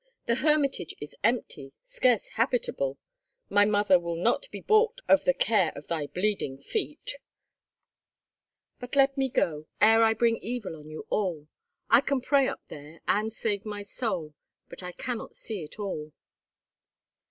The hermitage is empty, scarce habitable. My mother will not be balked of the care of thy bleeding feet." "But let me go, ere I bring evil on you all. I can pray up there, and save my soul, but I cannot see it all."